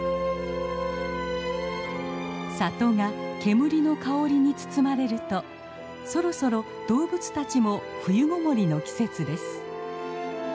里が煙の香りに包まれるとそろそろ動物たちも冬ごもりの季節です。